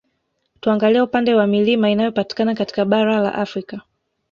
Tuangalie upande wa Milima inayopatikana katika bara la Afrika